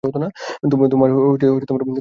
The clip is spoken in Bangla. তোমার ঘুমাতে যাওয়া উচিত।